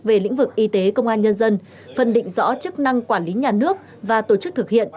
về lĩnh vực y tế công an nhân dân phân định rõ chức năng quản lý nhà nước và tổ chức thực hiện